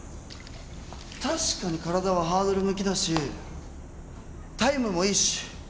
確かに体はハードル向きだしタイムもいいし。